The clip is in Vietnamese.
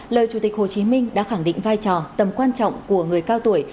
lời chủ tịch hồ chí minh đã khẳng định vai trò tầm quan trọng của người cao tuổi